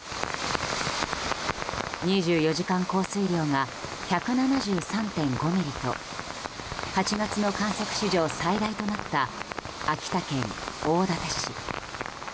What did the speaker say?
２４時間降水量が１７３．５ミリと８月の観測史上最大となった秋田県大館市。